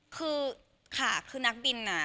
คือค่ะคือนักบินน่ะ